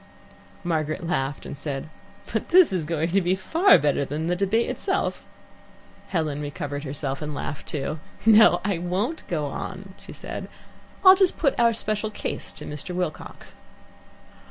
Margaret laughed and said, "But this is going to be far better than the debate itself." Helen recovered herself and laughed too. "No, I won't go on," she declared. "I'll just put our special case to Mr. Wilcox."